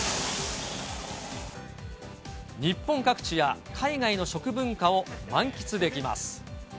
日本各地や海外の食文化を満喫できます。